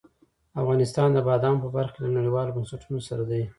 افغانستان د بادامو په برخه کې له نړیوالو بنسټونو سره دی.